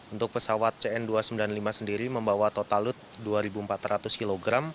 untuk pesawat cn dua ratus sembilan puluh lima sendiri membawa total lood dua empat ratus kg